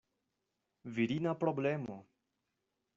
Virina problemo!